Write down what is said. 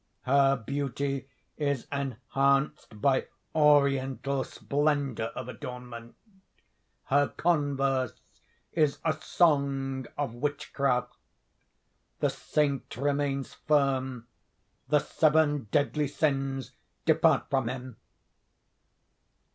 Her beauty is enhanced by oriental splendour of adornment; her converse is a song of withcraft. The Saint remains firm.... The Seven Deadly Sins depart from him.